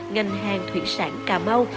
ngành hàng thủy sản cà mau